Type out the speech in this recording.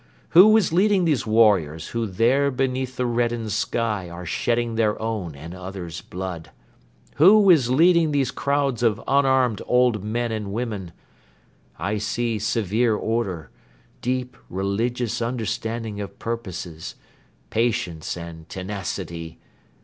Who is leading these warriors who there beneath the reddened sky are shedding their own and others' blood? Who is leading these crowds of unarmed old men and women? I see severe order, deep religious understanding of purposes, patience and tenacity